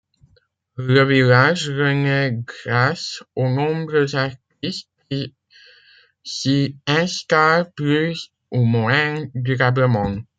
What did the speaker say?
Le village renaît grâce aux nombreux artistes qui s'y installent plus ou moins durablement.